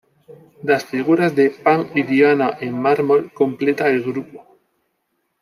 Las figuras de "Pan y Diana" en mármol completa el grupo.